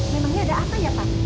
memangnya ada apa ya pak